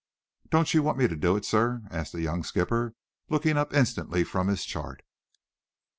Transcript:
"Don't you want me to do it, sir?" asked the young skipper, looking up instantly from his chart.